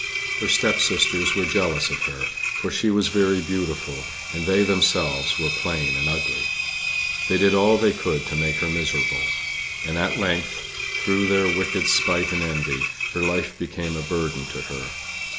Her stepsisters were jealous of her, for she was very beautiful, and they themselves were plain and ugly. They did all they could to make her miserable; and, at length, through their wicked spite and envy, her life became a burden to her.